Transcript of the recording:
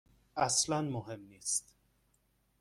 اصلا مهم نیست.